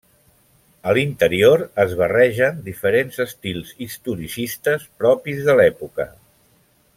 A l'interior es barregen diferents estils historicistes propis de l'època.